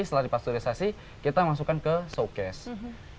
setelah dipasturisasi kita masukkan ke showcase